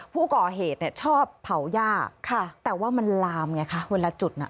ผู้ก่อเหตุชอบเผาหญ้าแต่ว่ามันลามไงคะวันละจุด